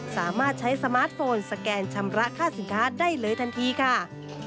สามารถใช้สมาร์ทโฟนสแกนชำระค่าสินค้าได้เลยทันทีค่ะ